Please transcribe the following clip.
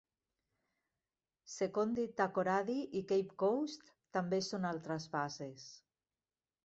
Sekondi-Takoradi i Cape Coast també són altres bases.